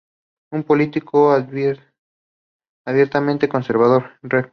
Un político abiertamente conservador, Rev.